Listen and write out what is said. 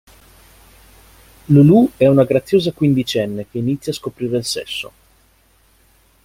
Lulù è una graziosa quindicenne che inizia a scoprire il sesso.